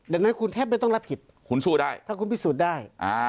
ดังนั้นคุณแทบไม่ต้องรับผิดคุณสู้ได้ถ้าคุณพิสูจน์ได้